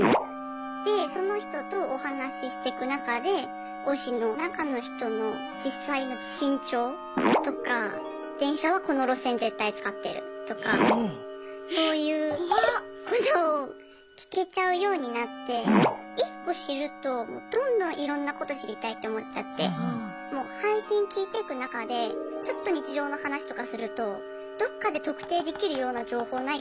でその人とお話ししてく中で推しの中の人の実際の身長とか電車はこの路線絶対使ってるとかそういうことを聞けちゃうようになって１個知るともうどんどんいろんなこと知りたいって思っちゃってもう配信聞いてく中でちょっと日常の話とかするとどっかで特定できるような情報ないかなとか。